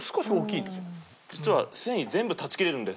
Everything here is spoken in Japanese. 実は繊維全部断ち切れるんです。